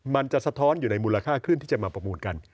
สะท้อนอยู่ในมูลค่าขึ้นที่จะมาประมูลกัน